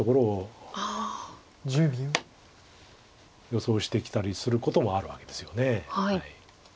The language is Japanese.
予想してきたりすることもあるわけですよね。